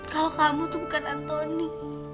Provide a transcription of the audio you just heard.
kalau kamu tuh bukan anthony